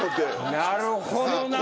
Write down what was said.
なるほどな。